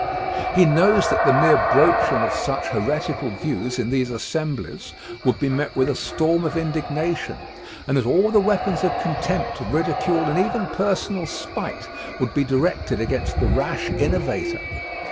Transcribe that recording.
He knows that the mere broaching of such heretical views in these assemblies would be met with a storm of indignation and that all the weapons of contempt, ridicule and even personal spite would be directed against the rash innovator.